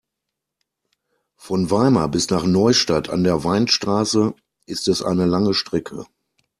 Von Weimar bis nach Neustadt an der Weinstraße ist es eine lange Strecke